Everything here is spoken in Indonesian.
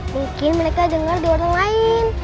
mungkin mereka dengar di orang lain